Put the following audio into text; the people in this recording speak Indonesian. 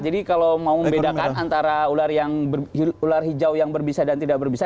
jadi kalau mau membedakan antara ular hijau yang berbisa dan tidak berbisa